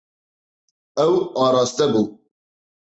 Ew araste bû.